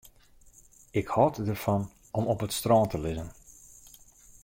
Ik hâld derfan om op it strân te lizzen.